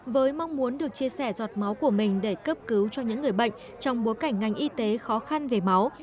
với mong muốn được chia sẻ giọt máu của mình để cấp cứu cho những người bệnh trong bối cảnh ngành y tế khó khăn về máu